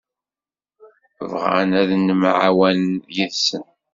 Bɣan ad nemɛawan yid-sen.